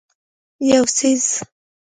یو څیز